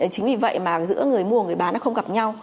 chính vì vậy mà giữa người mua người bán nó không gặp nhau